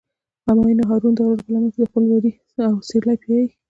همایون او هارون د غره په لمن کې خپل وري او سرلي پیایی.